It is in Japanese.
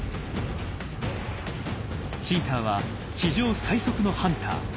チーターは地上最速のハンター。